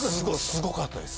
すごかったです